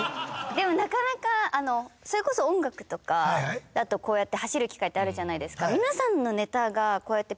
でもなかなかそれこそ音楽とかだとこうやって走る機会ってあるじゃないですか。